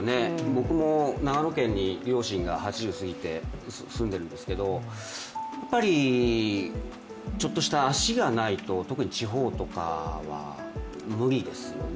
僕も長野県に両親が８０過ぎているんですけどちょっとした足がないと、特に地方とかは無理ですよね。